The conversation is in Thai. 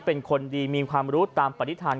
เป็นคนดีมีความรู้ตามปฏิฐาน